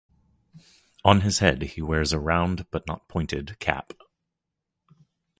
On his head he wears a round but not pointed cap.